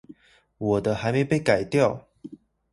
我的還沒被改掉